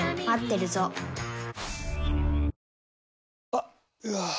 あっ、うわー。